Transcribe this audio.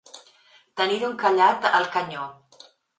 Tenir-ho encallat al canyó.